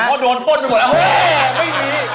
เพราะโดนปล้นหมดแล้วเฮ้ยไม่มี